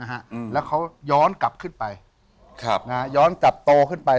ฮะอืมแล้วเขาย้อนกลับขึ้นไปครับนะฮะย้อนกลับโตขึ้นไป